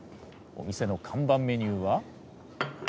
お店の看板メニューは。